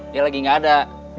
dia lagi gak ada